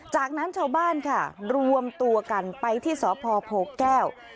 จากนั้นชาวบ้านค่ะรวมตัวกันไปที่สพโพแก้ว